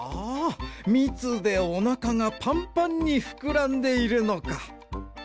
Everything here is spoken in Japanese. みつでおなかがパンパンにふくらんでいるのか。